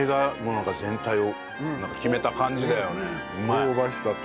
香ばしさと。